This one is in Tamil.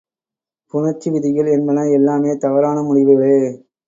புணர்ச்சி விதிகள் என்பன எல்லாமே தவறான முடிவுகளே.